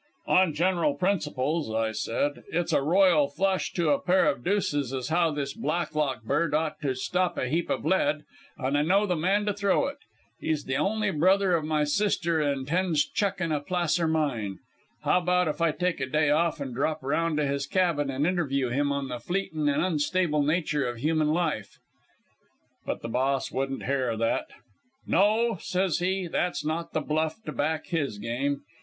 "'On general principles,' I said, 'it's a royal flush to a pair of deuces as how this Blacklock bird ought to stop a heap of lead, and I know the man to throw it. He's the only brother of my sister, and tends chuck in a placer mine. How about if I take a day off and drop round to his cabin and interview him on the fleetin' and unstable nature of human life?' "But the Boss wouldn't hear of that. "'No,' says he; 'that's not the bluff to back in this game.